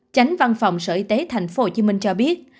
tránh văn phòng sở y tế tp hcm cho biết